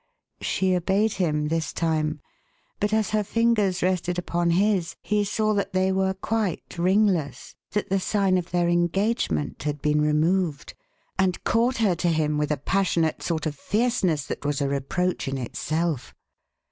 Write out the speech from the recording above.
She obeyed him this time, but as her fingers rested upon his he saw that they were quite ringless that the sign of their engagement had been removed and caught her to him with a passionate sort of fierceness that was a reproach in itself.